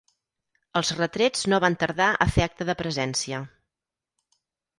Els retrets no van tardar a fer acte de presència.